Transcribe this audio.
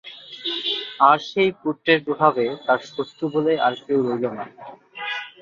আর সেই পুত্রের প্রভাবে তাঁর শত্রু বলে আর কেউ রইল না।